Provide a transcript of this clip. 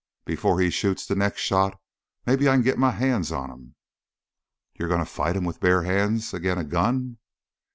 "Before he shoots the next shot, maybe I can get my hands on him." "You going to fight him bare hands agin' a gun?"